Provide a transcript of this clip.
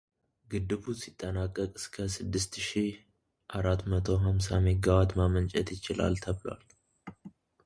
ግድቡ ሲጠናቀቅ እስከ ስድስት ሺ አራትመቶ ሀምሳ ሜጋ ዋት ማመንጨት ይችላል ተብሏል።